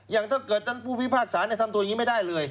อย่างถ้าเกิดผู้วิพากษาทำตัวอย่างนี้ไม่ได้เลย